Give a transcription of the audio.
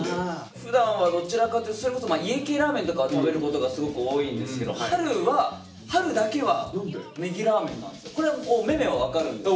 ふだんはどちらかというとそれこそ家系ラーメンとかは食べることがすごく多いんですけど春はこれはめめは分かるんですけど。